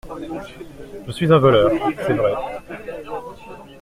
Je suis un voleur, c'est vrai.